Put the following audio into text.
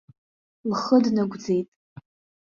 Лхы днагәӡит.